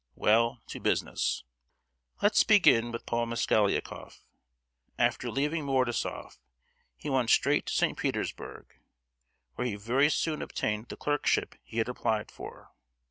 Well, to business!— Let's begin with Paul Mosgliakoff.—After leaving Mordasof, he went straight to St. Petersburg, where he very soon obtained the clerkship he had applied for.